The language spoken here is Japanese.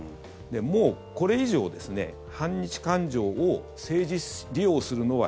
もうこれ以上反日感情を政治利用するのは